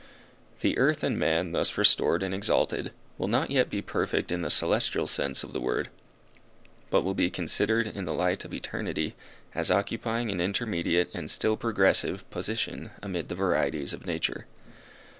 The earth and man thus restored and exalted, will not yet be perfect in the celestial sense of the word, but will be considered, in the light of eternity, as occupying an intermediate and still progressive position amid the varieties of nature.